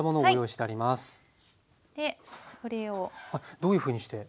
どういうふうにして？